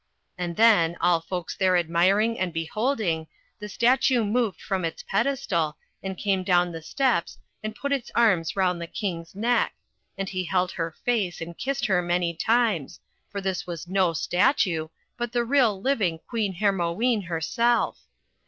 And then, all folks there admiring and beholding, the statue moved from its pedes tal, and came down the steps and put its arms round the King's neck, and he held her face and kissed her many times, for this was no statue, but the real livin'y Queen Hermione herself.